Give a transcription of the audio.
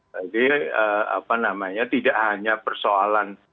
jadi apa namanya tidak hanya persoalan